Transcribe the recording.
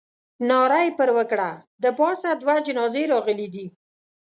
ناره یې پر وکړه. د پاسه دوه جنازې راغلې دي.